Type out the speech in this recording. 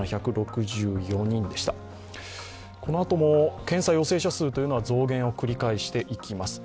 このあとも検査陽性者数は増減を繰り返していきます。